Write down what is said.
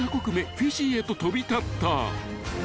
フィジーへと飛び立った］